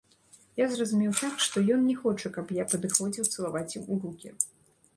Я зразумеў так, што ён не хоча, каб я падыходзіў цалаваць ім у рукі.